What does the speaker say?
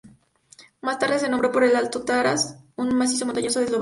Más tarde se nombró por el Alto Tatras, un macizo montañoso de Eslovaquia.